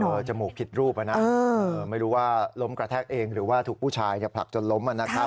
เธอจมูกผิดรูปไม่รู้ว่าร้มกระแทกเองหรือว่าถูกผู้ชายผลักจนล้อม